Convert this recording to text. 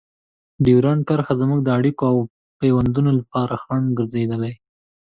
ډیورنډ کرښه زموږ د اړیکو او پيوندونو لپاره خنډ ګرځېدلې.